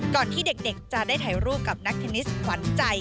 ที่เด็กจะได้ถ่ายรูปกับนักเทนนิสขวัญใจ